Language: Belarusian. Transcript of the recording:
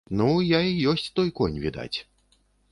Ну, я і ёсць той конь, відаць.